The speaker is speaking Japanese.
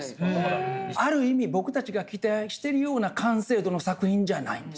ある意味僕たちが期待してるような完成度の作品じゃないんですよ。